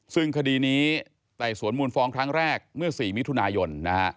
ซึ่งคดีนี้ไต่สวนมูลฟ้องครั้งแรกเมื่อ๔มิถุนายนนะฮะ